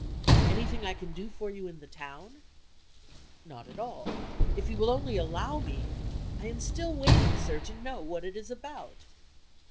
"Anything I can do for you in the town?" "Not at all. If you will only allow me " "I am still waiting, sir, to know what it is about."